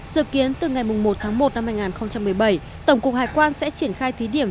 dự kiến từ ngày một tháng một năm hai nghìn một mươi bảy tổng cục hải quan sẽ triển khai thí điểm